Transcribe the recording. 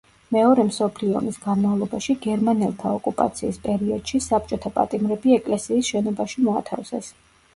მეორე მსოფლიო ომის განმავლობაში, გერმანელთა ოკუპაციის პერიოდში, საბჭოთა პატიმრები ეკლესიის შენობაში მოათავსეს.